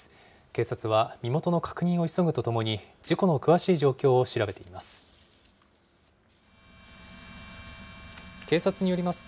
警察は身元の確認を急ぐとともに、事故の詳しい状況を調べています。